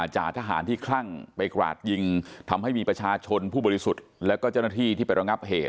จ่าทหารที่คลั่งไปกราดยิงทำให้มีประชาชนผู้บริสุทธิ์แล้วก็เจ้าหน้าที่ที่ไประงับเหตุ